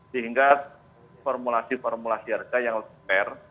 sehingga formulasi formulasi harga yang lebih fair